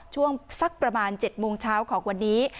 ช่วงสักประมาณ๗โมงเช้าของวันนี้